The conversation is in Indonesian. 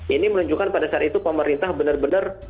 ini menunjukkan pada saat itu pemerintah benar benar